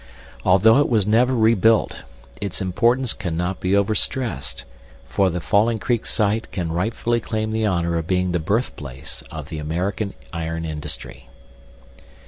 Although it was never rebuilt, its importance cannot be overstressed, for the Falling Creek site can rightfully claim the honor of being the birthplace of the American iron industry.